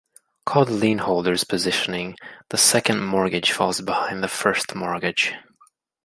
Called "lien holders positioning", the second mortgage falls behind the first mortgage.